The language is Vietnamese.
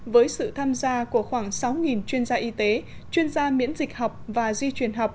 với sự tham gia của khoảng sáu chuyên gia y tế chuyên gia miễn dịch học và di truyền học